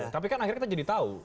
tapi kan akhirnya kita jadi tahu